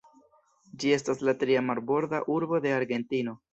Ĝi estas la tria marborda urbo de Argentino.